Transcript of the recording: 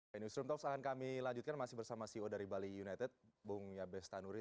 pemirsa rum tops akan kami lanjutkan masih bersama ceo dari bali united bung yabe stanuri